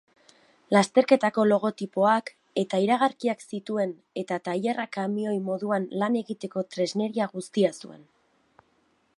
Lasterketako logotipoak eta iragarkiak zituen eta tailer-kamioi moduan lan egiteko tresneria guztia zuen.